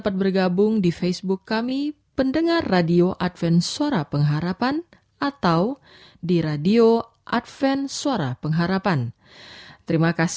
hanya dalam damai tuhan ku terima